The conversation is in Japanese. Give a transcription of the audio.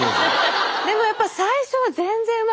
でもやっぱ最初は全然うまく。